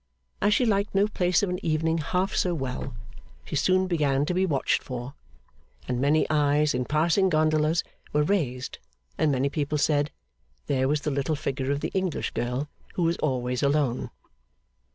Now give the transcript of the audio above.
As she liked no place of an evening half so well, she soon began to be watched for, and many eyes in passing gondolas were raised, and many people said, There was the little figure of the English girl who was always alone.